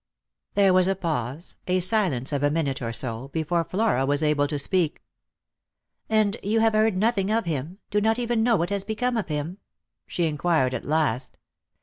There was a pause, a silence of a minute or so, before Flora was able to speak. "And you have heard nothing of him — do not even know what has become of him ?" she inquired at last.